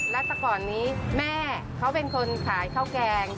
และแต่ก่อนนี้แม่เขาเป็นคนขายข้าวแกง